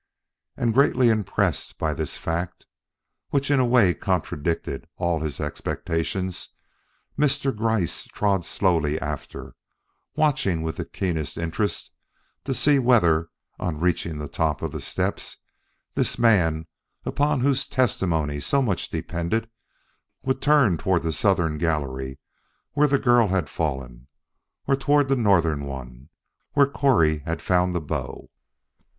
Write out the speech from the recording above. And greatly impressed by this fact, which in a way contradicted all his expectations, Mr. Gryce trod slowly after, watching with the keenest interest to see whether, on reaching the top of the steps, this man upon whose testimony so much depended would turn toward the southern gallery where the girl had fallen, or toward the northern one, where Correy had found the bow.